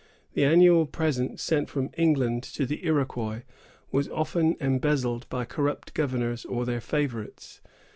The annual present sent from England to the Iroquois was often embezzled by corrupt governors or their favorites.